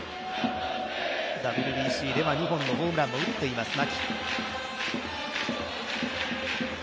ＷＢＣでは２本のホームランを打っています、牧。